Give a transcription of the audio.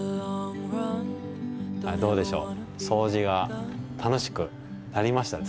どうでしょう。